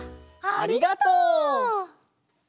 ありがとう！